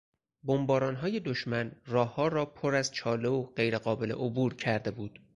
بمبارانهای دشمن راهها را پر از چاله و غیرقابل عبور کرده بود.